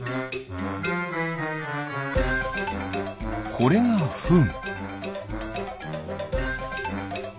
これがフン。